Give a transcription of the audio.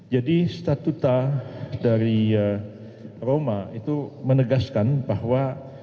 jadi statuta dari roma itu menegaskan bahwa